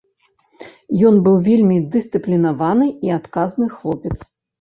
Ён быў вельмі дысцыплінаваны і адказны хлопец.